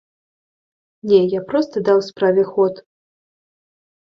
Не, я проста даў справе ход.